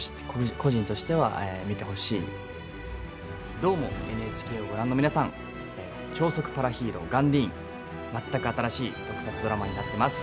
「どーも、ＮＨＫ」をご覧の皆さん「超速パラヒーローガンディーン」全く新しい特撮ドラマになってます。